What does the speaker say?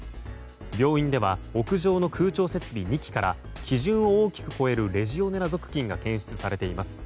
病院では屋上の空調設備２基から基準を大きく超えるレジオネラ属菌が検出されています。